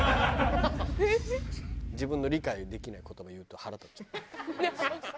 自分の理解できない言葉言うと腹立っちゃって。